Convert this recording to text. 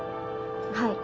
はい。